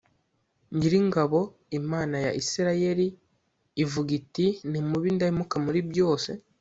Nyiringabo Imana ya Isirayeli ivuga iti Nimube indahemuka muri byose